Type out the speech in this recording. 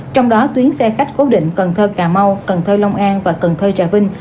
trong đó tuyến xe khách cố định cần thơ cà mau cần thơ long an và cần thơ trà vinh